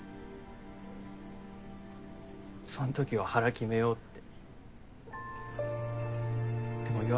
そのときは腹決めようって。